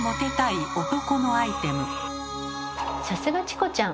さすがチコちゃん！